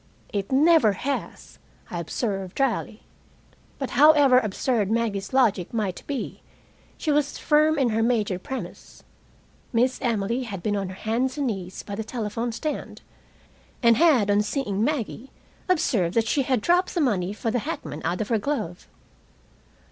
"It never has," I observed dryly. But however absurd Maggie's logic might be, she was firm in her major premise. Miss Emily had been on her hands and knees by the telephone stand, and had, on seeing Maggie, observed that she had dropped the money for the hackman out of her glove.